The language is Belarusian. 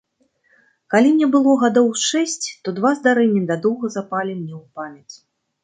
Калі мне было гадоў з шэсць, то два здарэнні надоўга запалі мне ў памяць.